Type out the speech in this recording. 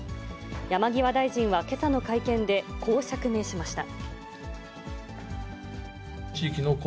山際大臣はけさの会見で、こう釈明しました。